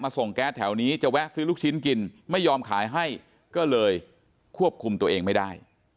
ส่งแก๊สแถวนี้จะแวะซื้อลูกชิ้นกินไม่ยอมขายให้ก็เลยควบคุมตัวเองไม่ได้